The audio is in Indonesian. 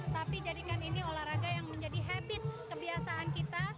tapi jadikan ini olahraga yang menjadi habit kebiasaan kita